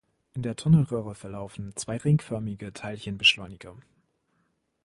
In der Tunnelröhre verlaufen zwei ringförmige Teilchenbeschleuniger.